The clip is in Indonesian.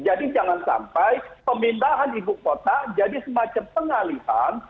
jadi jangan sampai pemindahan ibu kota jadi semacam pengalihkan